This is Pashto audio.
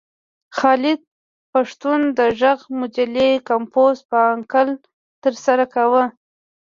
خالد پښتون د غږ مجلې کمپوز په انکل ترسره کاوه.